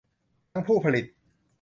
ทั้งผู้ผลิต